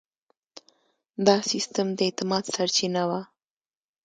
دا سیستم د اعتماد سرچینه وه.